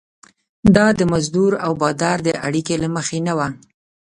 دا د مزدور او بادار د اړیکو له مخې نه وه.